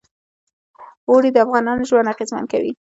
اوړي د افغانانو ژوند اغېزمن کوي.